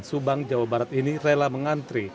subang jawa barat ini rela mengantri